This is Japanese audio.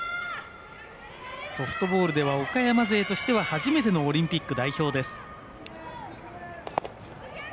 ソフトボールでは岡山勢としては初めてのオリンピック代表です。